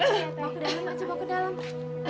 mau ke dalam